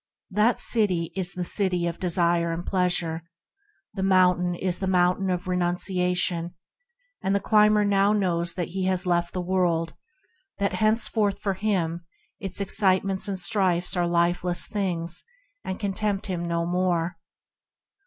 That city is the City of Desire and Pleasure, the mountain is the Mountain of Renunciation, and the climber now knows that he has left the world, that henceforth for him its excitements and strifes are lifeless things, and can tempt him no more.